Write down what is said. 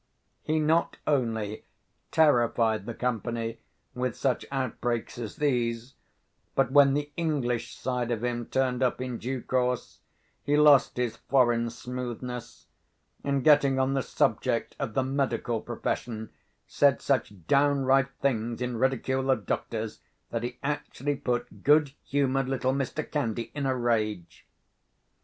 He not only terrified the company with such outbreaks as these, but, when the English side of him turned up in due course, he lost his foreign smoothness; and, getting on the subject of the medical profession, said such downright things in ridicule of doctors, that he actually put good humoured little Mr. Candy in a rage.